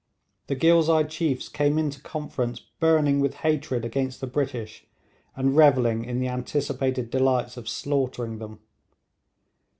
The Ghilzai chiefs came into conference burning with hatred against the British, and revelling in the anticipated delights of slaughtering them.